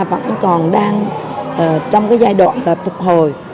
vẫn còn đang trong giai đoạn phục hồi